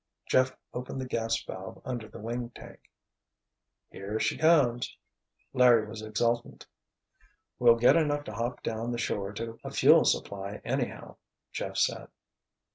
Jeff opened the gas valve under the wing tank. "Here she comes!" Larry was exultant. "We'll get enough to hop down the shore to a fuel supply, anyhow," Jeff said.